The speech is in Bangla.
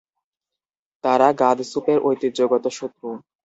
তারা গাদসুপের ঐতিহ্যগত শত্রু।